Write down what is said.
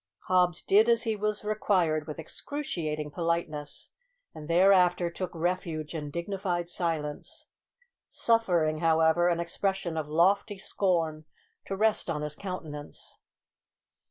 Hobbs did as he was required with excruciating politeness, and thereafter took refuge in dignified silence; suffering, however, an expression of lofty scorn to rest on his countenance.